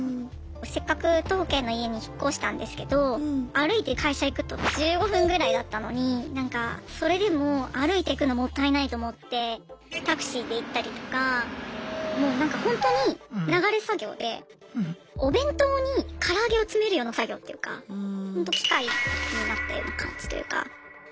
せっかく徒歩圏の家に引っ越したんですけど歩いて会社行くと１５分ぐらいだったのにそれでも歩いて行くのもったいないと思ってタクシーで行ったりとかもうなんかほんとに流れ作業でお弁当にから揚げを詰めるような作業っていうかほんと機械になったような感じというか。